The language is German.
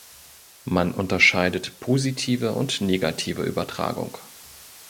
Man unterscheidet "positive und negative Übertragung".